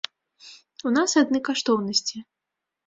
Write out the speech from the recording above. У нас адны каштоўнасці.